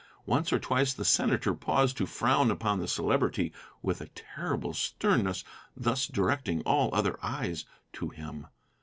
Once or twice the senator paused to frown upon the Celebrity with a terrible sternness, thus directing all other eyes to him.